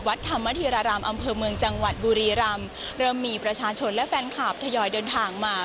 ธรรมธีรารามอำเภอเมืองจังหวัดบุรีรำเริ่มมีประชาชนและแฟนคลับทยอยเดินทางมา